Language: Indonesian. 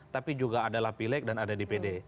tapi juga adalah pilek dan ada dpd